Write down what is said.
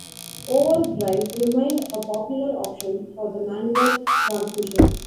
Overdrive remained a popular option for the manual transmission.